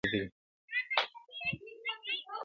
په دغو هېوادونو کې یې له ولسمشرانو لیدلي.